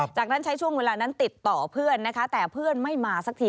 จากนั้นใช้ช่วงเวลานั้นติดต่อเพื่อนนะคะแต่เพื่อนไม่มาสักที